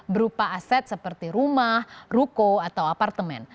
berupa aset seperti rumah ruko atau apartemen